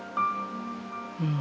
うん。